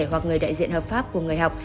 hoặc người đại diện hợp pháp của người học